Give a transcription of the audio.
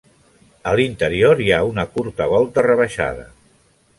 A l'interior hi ha una curta volta rebaixada.